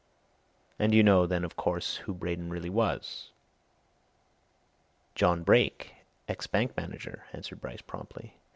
And you know, then, of course, who Braden really was?" "John Brake, ex bank manager," answered Bryce promptly.